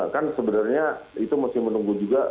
kan sebenarnya itu mesti menunggu juga